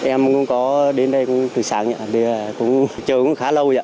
em cũng có đến đây từ sáng chờ cũng khá lâu